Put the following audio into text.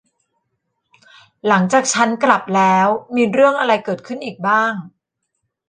หลังจากฉับกลับแล้ว มีเรื่องอะไรเกิดขึ้นอีกบ้าง